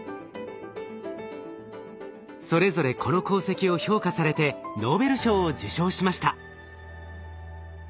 それぞれこの功績を評価されてノーベル賞を受賞しました。